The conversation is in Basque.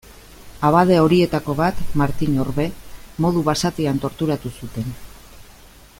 Abade horietako bat, Martin Orbe, modu basatian torturatu zuten.